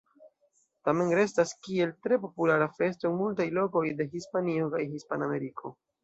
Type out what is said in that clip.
Tamen restas kiel tre populara festo en multaj lokoj de Hispanio kaj Hispanameriko.